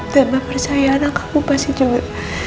dan mbak percaya anak kamu pasti juga